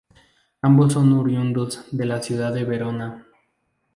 Ambos son oriundos de la ciudad de Verona.